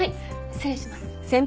失礼します。